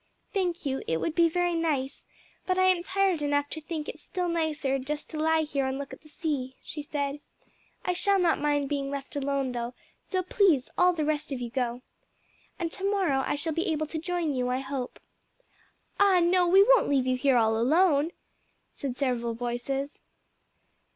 "Thank you, it would be very nice, but I am tired enough to think it still nicer just to lie here and look at the sea," she said. "I shall not mind being left alone, though; so, please, all the rest of you go. And to morrow I shall be able to join you, I hope." "Ah no, we won't leave you here all alone," said several voices.